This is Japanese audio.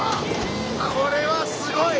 これはすごい。